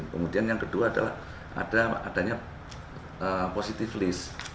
kemudian yang kedua adalah adanya positive list